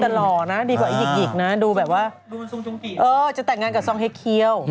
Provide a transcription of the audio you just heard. แต่หล่อนะดีกว่าไอ้หยิกหิกนะดูแบบว่าเออจะแต่งงานกับซองเฮเคียว